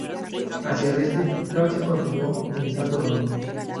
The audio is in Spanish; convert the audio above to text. Hacia el este, Francia continuó en Santo Domingo.